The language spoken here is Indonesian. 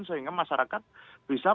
sehingga masyarakat bisa melakukan